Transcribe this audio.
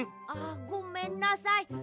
あっごめんなさい。